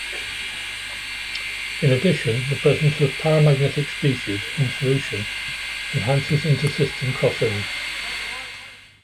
In addition, the presence of paramagnetic species in solution enhances intersystem crossing.